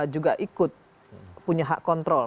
juga ikut punya hak kontrol